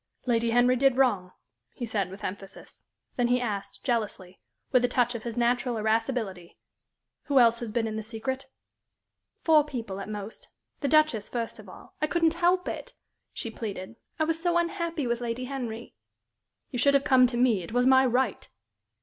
"Lady Henry did wrong," he said, with emphasis. Then he asked, jealously, with a touch of his natural irascibility, "Who else has been in the secret?" "Four people, at most the Duchess, first of all. I couldn't help it," she pleaded. "I was so unhappy with Lady Henry." "You should have come to me. It was my right."